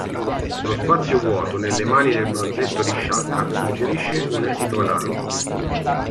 Lo spazio vuoto nelle mani del bronzetto di Sciacca suggerisce un esito analogo.